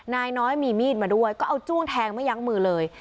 นายน้อยมีมีดมาด้วยก็เอาจ้วงแทงไม่ยั้งมือเลย